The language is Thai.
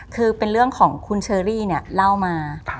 คือเป็นเรื่องของคุณเชอรี่เนี่ยเล่ามา